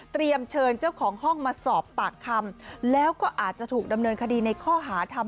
เชิญเจ้าของห้องมาสอบปากคำแล้วก็อาจจะถูกดำเนินคดีในข้อหาทำ